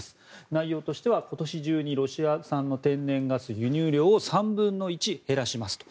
内容としては今年中にロシア産天然ガス輸入量を３分の１減らしますと。